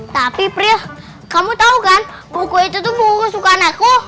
tapi pril kamu tau kan buku itu tuh buku suka anakku